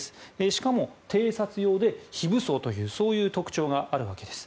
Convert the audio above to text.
しかも偵察用で非武装というそういう特徴があるわけです。